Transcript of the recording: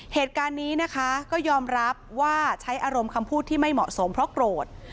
เหตุการณ์นี้นะคะก็ยอมรับว่าใช้อารมณ์คำพูดที่ไม่เหมาะสมเพราะโกรธ